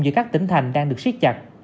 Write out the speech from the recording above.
giữa các tỉnh thành đang được siết chặt